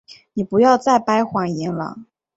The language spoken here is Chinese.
你不要再掰谎言了。